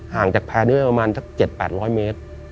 ห่างจากแพร่ด้วยประมาณสัก๗๘๐๐เมตร